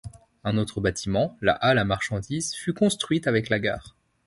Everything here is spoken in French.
Un autre bâtiment, la halle à marchandises fut construite avec la gare.